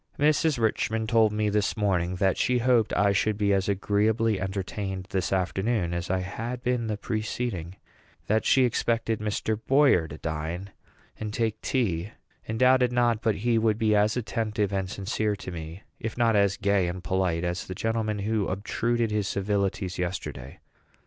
Mrs. Richman told me this morning that she hoped I should be as agreeably entertained this afternoon as I had been the preceding; that she expected Mr. Boyer to dine and take tea, and doubted not but he would be as attentive and sincere to me, if not as gay and polite, as the gentleman who obtruded his civilities yesterday.